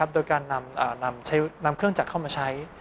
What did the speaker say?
โดยการนำเครื่องจักรเข้ามาใช้